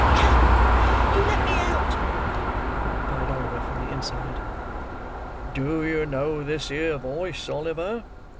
"Come; you let me out!" replied Oliver, from the inside. "Do you know this here voice, Oliver?"